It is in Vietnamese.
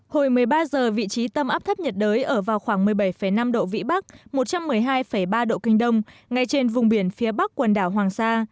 hồi một mươi ba h vị trí tâm áp thấp nhiệt đới ở vào khoảng một mươi bảy năm độ vĩ bắc một trăm một mươi hai ba độ kinh đông ngay trên vùng biển phía bắc quần đảo hoàng sa